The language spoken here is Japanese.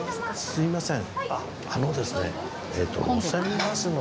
すみません。